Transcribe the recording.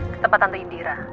ketempat tante indira